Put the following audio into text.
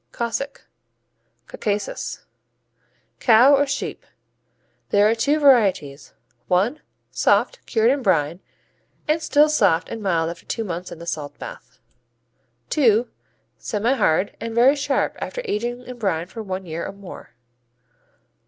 Cossack Caucasus Cow or sheep. There are two varieties: I. Soft, cured in brine and still soft and mild after two months in the salt bath. II. Semihard and very sharp after aging in brine for a year or more.